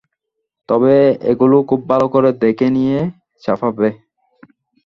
তবে ওগুলো খুব ভাল করে দেখে নিয়ে ছাপাবে।